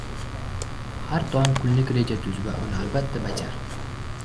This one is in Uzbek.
Har tong kunlik reja tuz va uni albatta bajar.